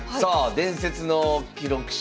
「伝説の記録集」